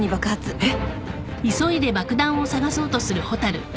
えっ！？